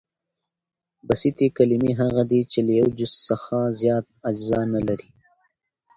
بسیطي کلیمې هغه دي، چي له یوه جز څخه زیات اجزا نه لري.